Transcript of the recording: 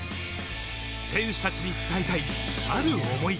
選手たちに伝えたいある思いが。